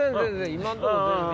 今んとこ全然。